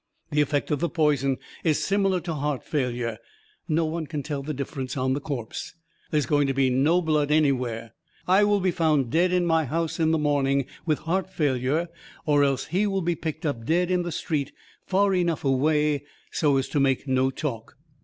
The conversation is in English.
The effect of the poison is similar to heart failure. No one can tell the difference on the corpse. There's going to be no blood anywhere. I will be found dead in my house in the morning with heart failure, or else he will be picked up dead in the street, far enough away so as to make no talk."